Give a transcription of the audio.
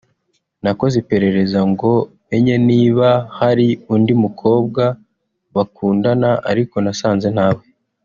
nakoze iperereza ngo menye niba hari undi mukobwa bakundana ariko nasanze ntawe